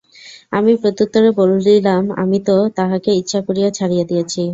আমি প্রত্যুত্তরে বলিলাম, আমি তো তাহাকে ইচ্ছা করিয়া ছাড়িয়া দিয়াছি।